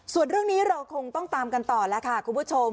ส่วนเรื่องนี้เราคงต้องตามกันต่อแล้วค่ะคุณผู้ชม